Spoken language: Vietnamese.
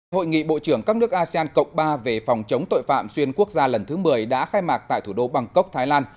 hội nghị bộ trưởng các nước asean cộng ba về phòng chống tội phạm xuyên quốc gia lần thứ một mươi đã khai mạc tại thủ đô bangkok thái lan